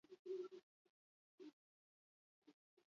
Horretarako, lixiba eta ura gomendatu dituzte.